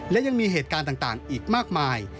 และยังมีเหตุการณ์ต่างอีกมากมาย